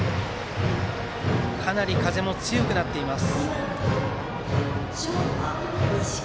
かなり風も強くなっています。